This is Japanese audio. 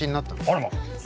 あらま。